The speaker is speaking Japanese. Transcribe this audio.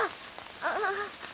ああ。